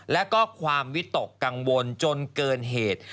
แล้วก็ความวิตกกังวลจนเกินเหตุ